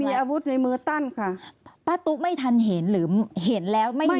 มีอาวุธในมือตั้นค่ะป้าตุ๊ไม่ทันเห็นหรือเห็นแล้วไม่เห็น